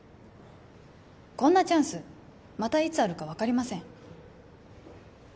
こんなチャンスまたいつあるか分かりません